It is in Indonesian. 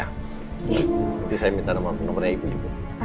nanti saya minta nama nomornya ibu ibu